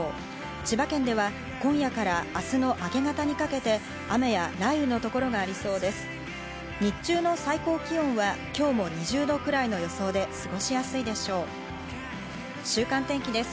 千葉県では今夜から明日の明け方にかけて雨や雷雨の所がありそうです。